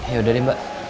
ya udah deh mbak